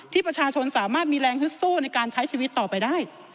ประชาชนสามารถมีแรงฮึดสู้ในการใช้ชีวิตต่อไปได้